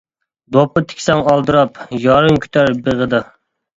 دوپپا تىكسەڭ ئالدىراپ، يارىڭ كۈتەر بېغىدا.